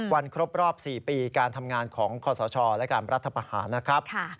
ครบรอบ๔ปีการทำงานของคอสชและการรัฐประหารนะครับ